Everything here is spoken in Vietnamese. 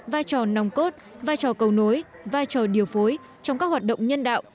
vai trò nòng cốt vai trò cầu nối vai trò điều phối trong các hoạt động nhân đạo